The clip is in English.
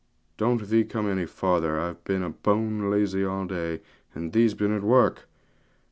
Don't thee come any farther, I've been bone lazy all day, and thee's been at work.